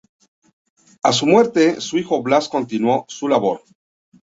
A su muerte, su hijo Blas continuó su labor.